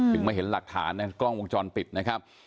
ถึงไม่เห็นหลักฐานเขากล้องวงจรปิดนะครับ